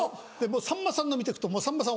さんまさんの見て行くとさんまさん